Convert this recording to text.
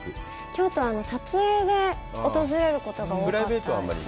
京都は撮影で訪れることが多かったです。